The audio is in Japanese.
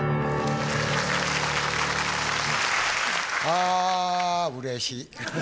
あうれしい。